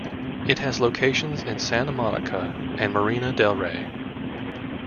It has locations in Santa Monica and Marina Del Rey.